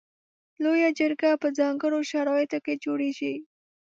لویه جرګه په ځانګړو شرایطو کې جوړیږي.